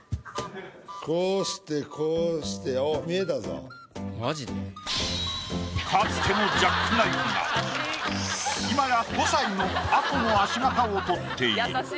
こうしてこうしておっかつてのジャックナイフが今や５歳の吾子の足形を取っている。